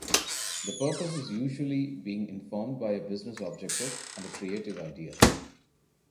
The purpose is usually being informed by a business objective and a creative idea.